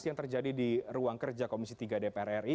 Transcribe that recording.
yang terjadi di ruang kerja komisi tiga dpr ri